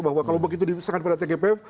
bahwa kalau begitu diserahkan pada tgpf